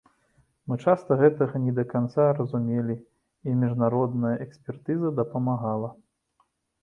Мы часта гэтага не да канца разумелі, і міжнародная экспертыза дапамагала.